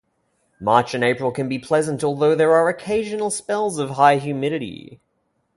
March and April can be pleasant although there are occasional spells of high humidity.